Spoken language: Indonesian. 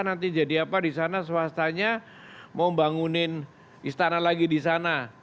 nanti jadi apa di sana swastanya mau bangunin istana lagi di sana